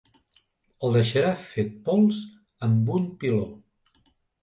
El deixarà fet pols amb un piló.